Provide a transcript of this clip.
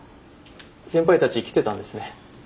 先輩たち来てたんですね。